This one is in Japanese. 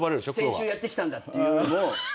先週やってきたんだっていうのを。